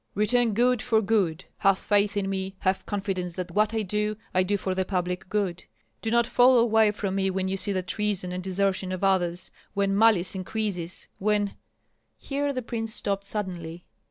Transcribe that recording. "Return good for good. Have faith in me, have confidence that what I do I do for the public good. Do not fall away from me when you see the treason and desertion of others, when malice increases, when " Here the prince stopped suddenly.